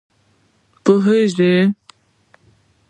پوهېږم.